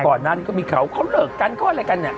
ก่อนนั้นก็มีเขาเขาเลิกกันเขาอะไรกันเนี่ย